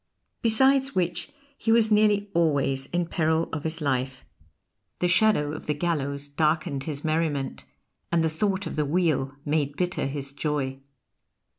Besides which he was nearly always in peril of his life; the shadow of the gallows darkened his merriment, and the thought of the wheel made bitter his joy.